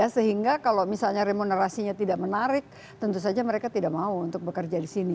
sehingga kalau misalnya remunerasinya tidak menarik tentu saja mereka tidak mau untuk bekerja di sini